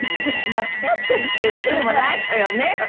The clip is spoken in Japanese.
間違ってるってわけでもないのよね。